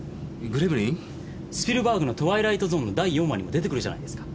スピルバーグの『トワイライトゾーン』の第４話にも出て来るじゃないですか。